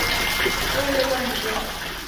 Oleghwa ni nd'e